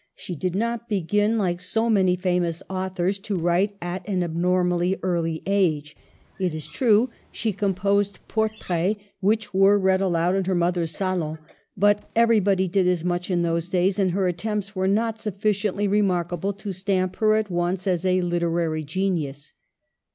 She did not begin, like so many famous authors, to write at an abnormally early age — it is true, she com posed Portraits, which were read aloud in her mother's salon, but everybody did as much in those days, and her attempts were not sufficiently remarkable to stamp her at once as a literary genius.